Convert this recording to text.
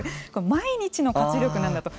毎日の活力なんだと。